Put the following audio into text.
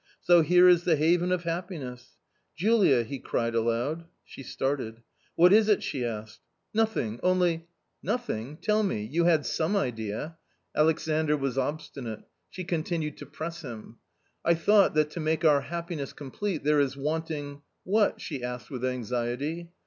So here is the haven of happi ness — Julia !" he cried aloud. She started. • "What is it?" she asked. " Nothing ! only —~ w A COMMON STORY 181 "Nothing ! tell me ; you had some idea." Aiexandr was obstinate. She continued to press him. " I thought that to make our happiness complete there is wanting "" What?" she asked with anxiety.